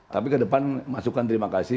tapi ke depan masukan terima kasih